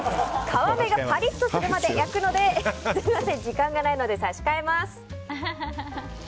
皮目がパリッとするまで焼くのですみません、時間がないので差し替えます！